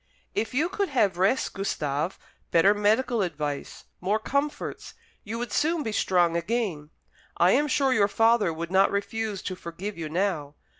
"If you could have rest, Gustave, better medical advice, more comforts, you would soon be strong again. I am sure your father would not refuse to forgive you now.